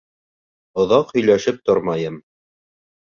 Оҙаҡ һөйләшеп тормайым.